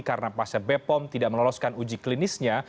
karena pasca bepom tidak meloloskan uji klinisnya